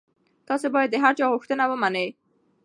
تاسي باید د هر چا غوښتنه ونه منئ.